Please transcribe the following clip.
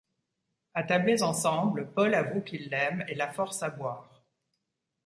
Attablés ensemble, Paul avoue qu'il l'aime et la force à boire.